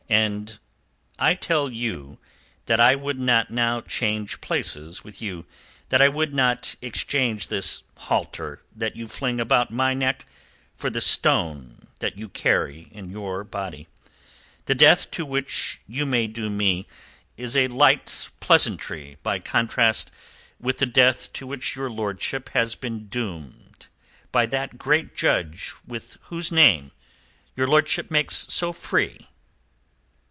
And I tell you that I would not now change places with you that I would not exchange this halter that you fling about my neck for the stone that you carry in your body. The death to which you may doom me is a light pleasantry by contrast with the death to which your lordship has been doomed by that Great Judge with whose name your lordship makes so free."